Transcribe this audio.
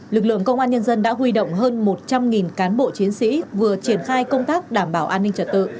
lực lượng công an nhân dân đã huy động hơn một trăm linh cán bộ chiến sĩ vừa triển khai công tác đảm bảo an ninh trật tự